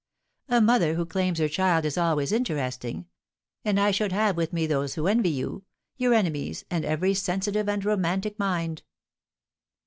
A mother who claims her child is always interesting; and I should have with me those who envy you, your enemies, and every sensitive and romantic mind."